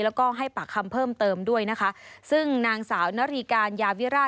แล้วก็ให้ปากคำเพิ่มเติมด้วยนะคะซึ่งนางสาวนรีการยาวิราช